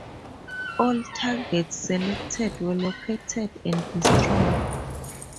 All targets selected were located and destroyed.